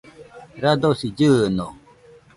radosi llɨɨno